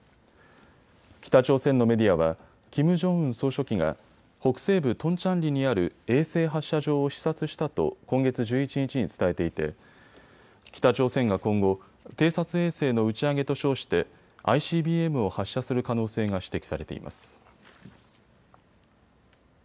北朝鮮のメディアはキム・ジョンウン総書記が北西部トンチャンリにある衛星発射場を視察したと今月１１日に伝えていて北朝鮮が今後、偵察衛星の打ち上げと称してＩＣＢＭを発射する可能性が指摘されています。